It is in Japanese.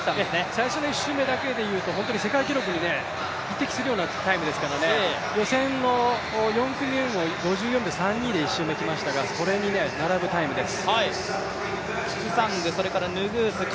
最初の１周目だけで言うと世界記録に匹敵するタイムですから予選を４分５４秒３２で１周きましたが、それに並ぶタイムです。